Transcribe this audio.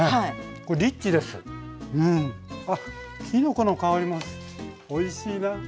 きのこの香りもおいしいな。